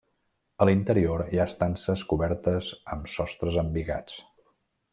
A l'interior hi ha estances cobertes amb sostres embigats.